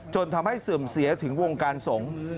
จนทำให้เสื่อมเสียถึงวงการสงฆ์